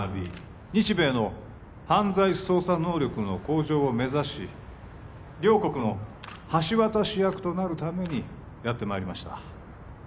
日米の犯罪捜査能力の向上を目指し両国の橋渡し役となるためにやってまいりました